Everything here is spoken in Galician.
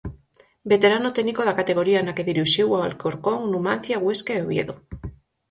Veterano técnico da categoría na que dirixiu o Alcorcón, Numancia, Huesca e Oviedo.